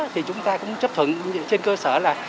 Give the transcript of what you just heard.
thì chúng ta cũng chấp thuận trên cơ sở là